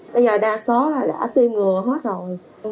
bây giờ đa số là đã tiêm ngừa hết rồi